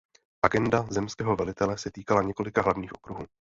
Agenda zemského velitele se týkala několika hlavních okruhů.